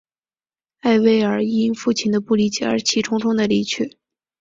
艾薇尔因父亲的不理解而气冲冲地离去。